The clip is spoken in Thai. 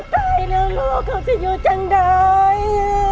ตายแล้วลูกเขาจะอยู่จังใด